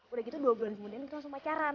udah gitu dua bulan kemudian kita langsung pacaran